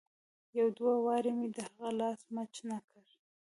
يو دوه وارې مې د هغه لاس مچ نه کړ.